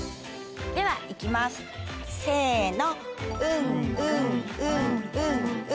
では行きますせの。